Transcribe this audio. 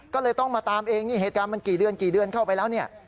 ก็เลยต้องมาตามเองนี่เหตุการณ์มันกี่เดือนกี่เดือนเข้าไปแล้วเนี่ย